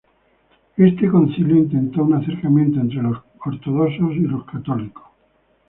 Este concilio intentó un acercamiento entre los ortodoxos y los católicos.